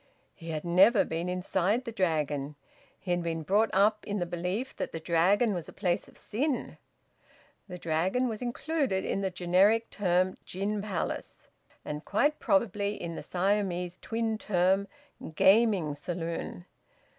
He had never been inside the Dragon. He had been brought up in the belief that the Dragon was a place of sin. The Dragon was included in the generic term `gin palace,' and quite probably in the Siamese twin term `gaming saloon.'